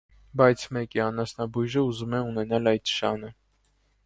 Բայց մեկ է անասնաբույժը ուժում է ունենալ այդ շանը։